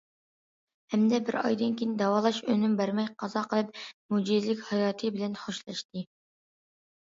ھەمدە بىر ئايدىن كېيىن داۋالاش ئۈنۈم بەرمەي قازا قىلىپ، مۆجىزىلىك ھاياتى بىلەن خوشلاشتى.